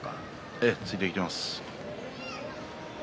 ええ、ついてきています。